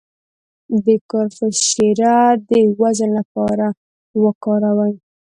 د کرفس شیره د وزن لپاره وکاروئ